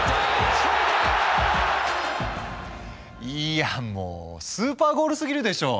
いやもうスーパーゴールすぎるでしょ！